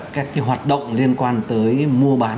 các cái hoạt động liên quan tới mua bán